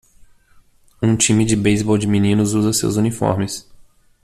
Um time de beisebol de meninos usa seus uniformes.